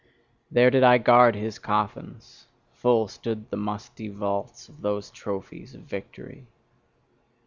There did I guard his coffins: full stood the musty vaults of those trophies of victory.